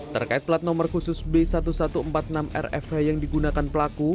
terkait plat nomor khusus b seribu satu ratus empat puluh enam rfh yang digunakan pelaku